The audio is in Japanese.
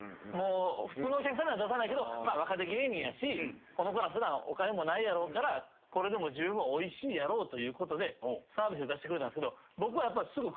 普通のお客さんなら出さないけど若手芸人やしこの子ら普段お金もないやろうからこれでもじゅうぶんおいしいやろうということでサービスで出してくれたんすけど僕はやっぱすぐ。